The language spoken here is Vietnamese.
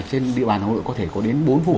trên địa bàn hà nội có thể có đến bốn vụ